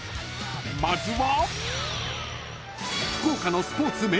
［まずは］